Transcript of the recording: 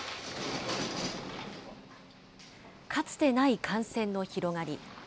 かつてない感染の広がり。